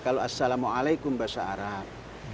kalau assalamu'alaikum bahasa arab